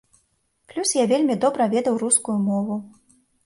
Плюс я вельмі добра ведаў рускую мову.